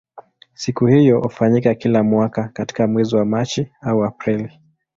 Siku hiyo hufanyika kila mwaka katika mwezi wa Machi au Aprili.